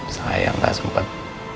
sayang gak sempet